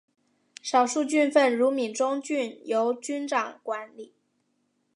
少数郡份如闽中郡由君长管理。